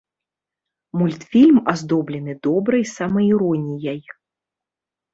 Мультфільм аздоблены добрай самаіроніяй.